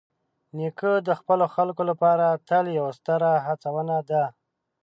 نیکه د خپلو خلکو لپاره تل یوه ستره هڅونه ده.